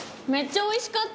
おいしかった。